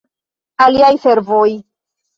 Aliaj servoj.